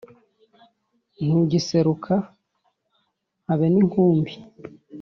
ntugiseruka habe n’inkumbi